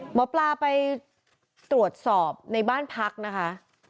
หมอปลาไปตรวจสอบในบ้านพักนะคะ